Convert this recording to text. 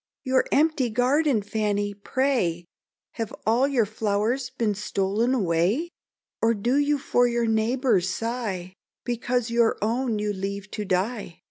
"Your empty garden, Fanny! pray Have all your flowers been stol'n away? Or do you for your neighbour's sigh, Because your own you leave to die?